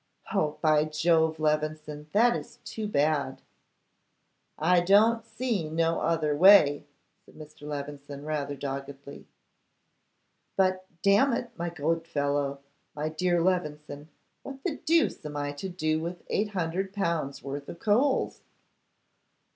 'Oh, by Jove, Levison, that is too bad.' 'I don't see no other way,' said Mr. Levison, rather doggedly. 'But, damn it, my good fellow, my dear Levison, what the deuce am I to do with 800L. worth of coals?